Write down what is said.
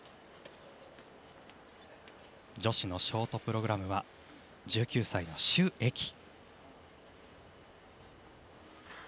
女子のショートプログラムは１９歳の朱易。